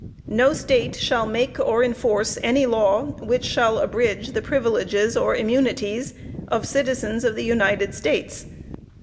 No State shall make or enforce any law, which shall abridge the privileges or immunities of citizens of the United States.